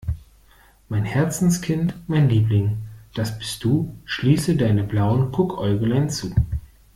Mein Herzenskind, mein Liebling, das bist du, schließe deine blauen Guckäuglein zu.